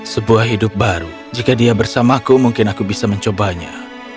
sebuah hidup baru jika dia bersamaku mungkin aku bisa mencobanya